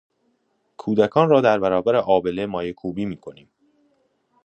کودکان را در برابر آبله مایه کوبی میکنیم.